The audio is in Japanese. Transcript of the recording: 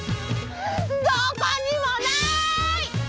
どこにもない！